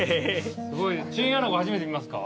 チンアナゴ初めて見ますか？